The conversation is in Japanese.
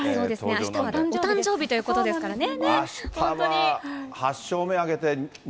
あしたはお誕生日ということなんでね。